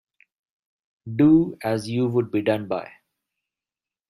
Do as you would be done by.